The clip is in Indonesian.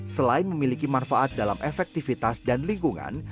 selain memiliki manfaat dalam efektivitas dan lingkungan